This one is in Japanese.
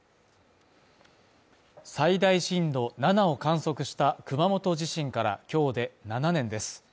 最大震度７を観測した熊本地震から今日で７年です。